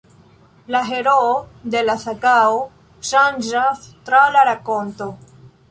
La heroo de la sagao ŝanĝas tra la rakonto.